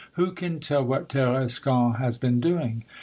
Who can tell what Tarascon has been doing?